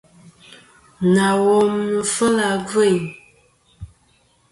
Nà wom nɨ̀n fêl a gvêyn.